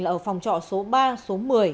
là ở phòng trọ số ba số một mươi